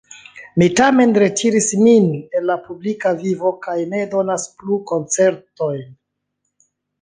Mi tamen retiris min el la publika vivo kaj ne donas plu koncertojn.